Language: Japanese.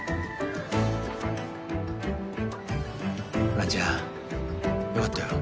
蘭ちゃんよかったよ。